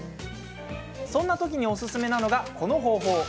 そんな時におすすめなのがこの方法。